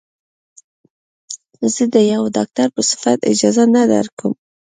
زه د يوه ډاکتر په صفت اجازه نه درکم.